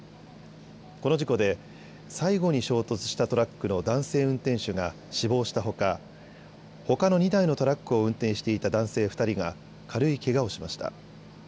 この事故で最後に衝突したトラックの男性運転手が死亡したほかほかの２台のトラックを運転していた男性２人が軽いけがをしました。